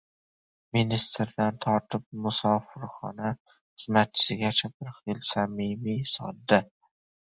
Ministrdan tortib, musofirxona xizmatchisigacha bir xil samimiy, sodda.